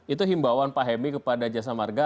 itu himbawan pak hemi kepada jasa marga